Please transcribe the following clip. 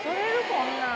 こんなん。